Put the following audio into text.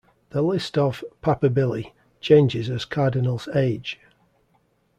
The list of "papabili" changes as cardinals age.